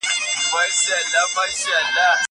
که وخت وي، ځواب ليکم..